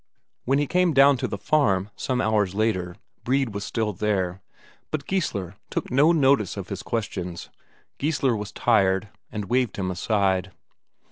When he came down to the farm some hours later, Brede was still there, but Geissler took no notice of his questions; Geissler was tired, and waved him aside.